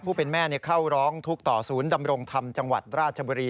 ผู้เป็นแม่เข้าร้องทุกข์ต่อศูนย์ดำรงธรรมจังหวัดราชบุรี